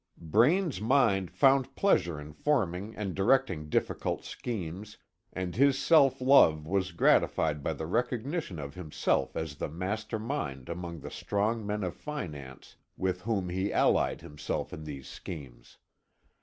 Braine's mind found pleasure in forming and directing difficult schemes, and his self love was gratified by the recognition of himself as the master mind among the strong men of finance with whom he allied himself in these schemes.